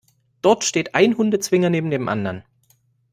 Dort steht ein Hundezwinger neben dem anderen.